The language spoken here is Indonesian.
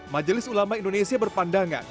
majelis ulama indonesia berpandangan